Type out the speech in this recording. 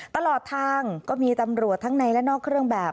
ตลอดทางก็มีตำรวจทั้งในและนอกเครื่องแบบ